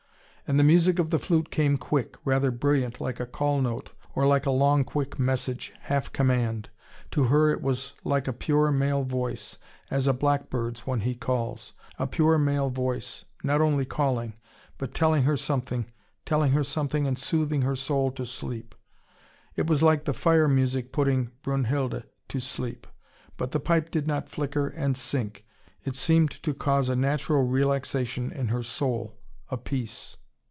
And the music of the flute came quick, rather brilliant like a call note, or like a long quick message, half command. To her it was like a pure male voice as a blackbird's when he calls: a pure male voice, not only calling, but telling her something, telling her something, and soothing her soul to sleep. It was like the fire music putting Brunnhilde to sleep. But the pipe did not flicker and sink. It seemed to cause a natural relaxation in her soul, a peace.